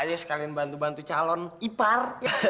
ya ngapaini sekalin beberapa bantu calon ipar